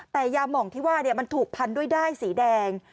แต่ยาหม่องที่ว่ามันถูกพันด้วยด้ายสีแดง